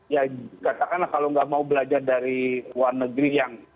ya katakanlah kalau nggak mau belajar dari luar negeri yang